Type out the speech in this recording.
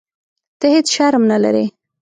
ته هیح شرم نه لرې.